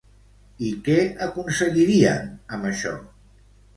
I què aconseguirien, amb això?